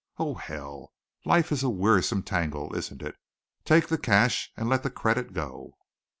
Oh, hell! Life is a wearisome tangle, isn't it? 'Take the cash and let the credit go.'"